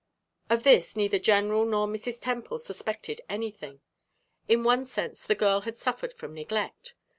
Of this, neither General nor Mrs. Temple suspected anything. In one sense, the girl had suffered from neglect.